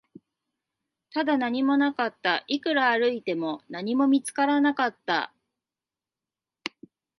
ただ、何もなかった、いくら歩いても、何も見つからなかった